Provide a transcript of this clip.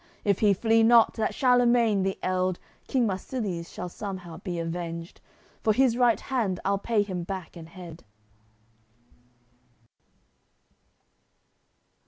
If he flee not, that Charlemagne the eld, King Marsilies shall somehow be avenged; For his right hand I'll pay him back an head."